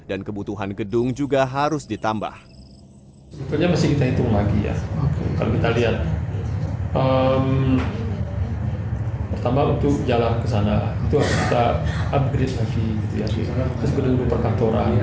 dan kebutuhan kota baru tidak bisa dianggarkan